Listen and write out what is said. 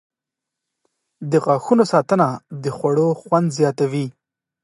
• د غاښونو ساتنه د خوړو خوند زیاتوي.